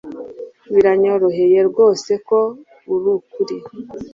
Biranyoroheye rwose ko arukuri.